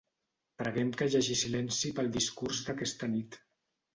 Preguem que hi hagi silenci pel discurs d'aquesta nit.